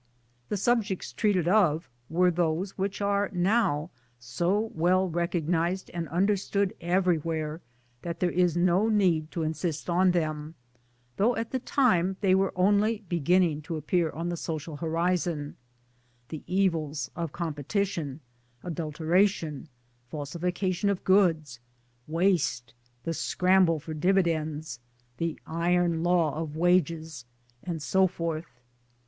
The subjects treated of were those which are now so well recognized and understood everywhere that there is no need to insist on them, though at that time they were only beginning to appear on the social horizon the evils of Competition, Adulteration, Falsification of goods, Waste, the scramble for Dividends, the iron Law of Wages, and so forth.